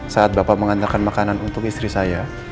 saat bapak mengantarkan makanan untuk istri saya